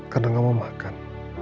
karena gak mau makan